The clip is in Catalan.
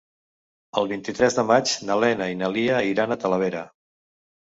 El vint-i-tres de maig na Lena i na Lia iran a Talavera.